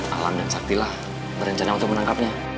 alam dan saktilah berencana untuk menangkapnya